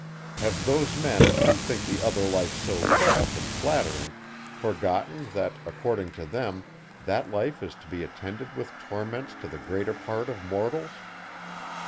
Have those then, who think the other life so pleasant and flattering, forgotten, that according to them, that life is to be attended with torments to the greater part of mortals?